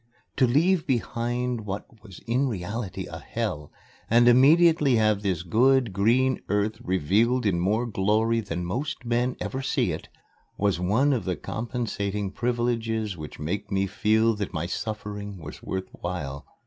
To leave behind what was in reality a hell, and immediately have this good green earth revealed in more glory than most men ever see it, was one of the compensating privileges which make me feel that my suffering was worth while.